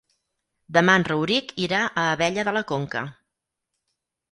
Demà en Rauric irà a Abella de la Conca.